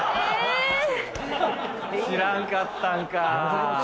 知らんかったんかぁ。